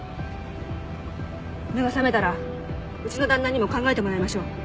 目が覚めたらうちの旦那にも考えてもらいましょう。